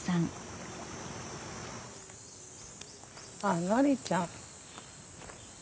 あっノリちゃん！